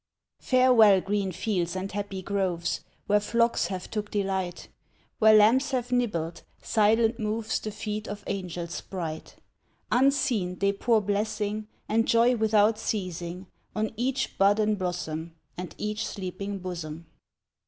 Farewell, green fields and happy groves, Where flocks have took delight, Where lambs have nibbled, silent moves The feet of angels bright; Unseen, they pour blessing, And joy without ceasing, On each bud and blossom, And each sleeping bosom.